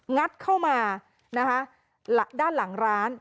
งัดเข้ามานะคะด้านหลังร้าน